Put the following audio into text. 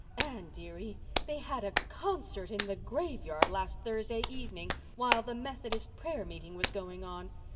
"Anne dearie, they had a concert in the graveyard last Thursday evening, while the Methodist prayer meeting was going on.